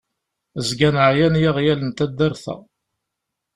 Zgan εyan yiɣyal n taddart-a.